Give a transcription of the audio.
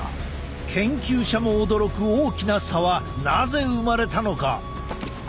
研究者も驚く大きな差はなぜ生まれたのか？